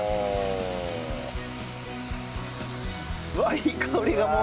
いい香りがもう。